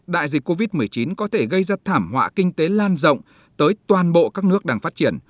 đại dịch covid một mươi chín có thể gây ra thảm họa kinh tế lan rộng tới toàn bộ các nước đang phát triển